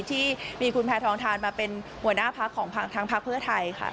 ที่มีคุณแพทองทานมาเป็นหัวหน้าพักของทางพักเพื่อไทยค่ะ